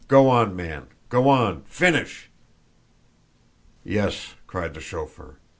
"Go on, man! Go on! FINISH!" "Yes!" cried the chauffeur.